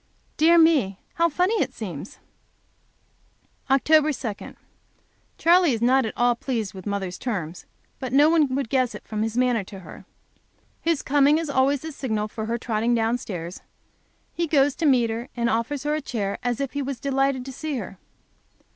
Dear me! how funny it seems. Oct 2. Charley is not at all pleased with mother's terms, but no one would guess it from his manner to her. His coming is always the signal for her trotting down stairs; he goes to meet her and offers her a chair, as if he was delighted to see her.